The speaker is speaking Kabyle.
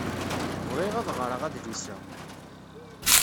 Bɣiɣ ad ɣreɣ adlis-a.